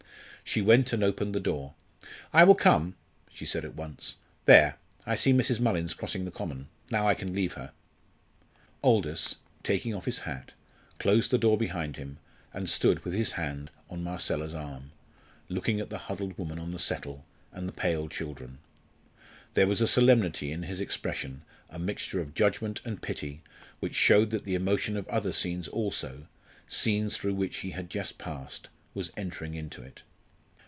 She went and opened the door. "I will come," she said at once. "There I see Mrs. Mullins crossing the common. Now I can leave her." Aldous, taking off his hat, closed the door behind him and stood with his hand on Marcella's arm, looking at the huddled woman on the settle, at the pale children. There was a solemnity in his expression, a mixture of judgment and pity which showed that the emotion of other scenes also scenes through which he had just passed was entering into it.